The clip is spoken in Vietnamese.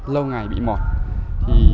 lâu ngày bị mọt